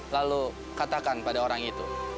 lalu katakan pada orang itu